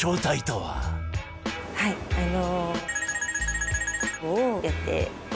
はいあの。